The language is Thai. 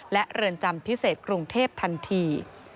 และเรือนจำพิเศษกรุงเทพทันที